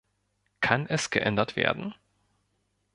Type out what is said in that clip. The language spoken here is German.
Kann es geändert werden?